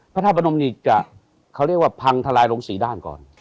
พบนิจเขาเรียกว่าพังทรายลงสี่ด้านก่อน